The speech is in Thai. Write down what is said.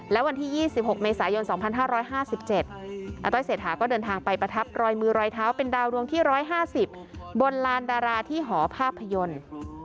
และวันที่๒๖เมษายน๒๕๕๗อาต้อยเศรษฐาก็เดินทางไปประทับรอยมือรอยเท้าเป็นดาวดวงที่๑๕๐บนลานดาราที่หอภาพยนตร์